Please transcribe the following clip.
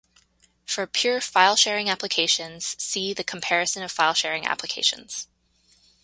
For pure file sharing applications see the Comparison of file sharing applications.